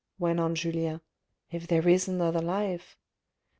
" went on Julien, " if there is another life.